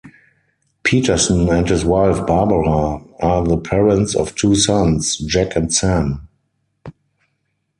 Petersen and his wife, Barbara, are the parents of two sons, Jack and Sam.